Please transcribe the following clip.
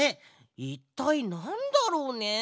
いったいなんだろうね？